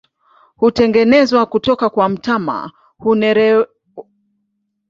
Hutengenezwa kutoka kwa mtama, hunereshwa mara tatu.